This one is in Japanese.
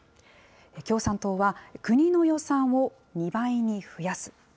共産党は、国の予算を２倍に増やす。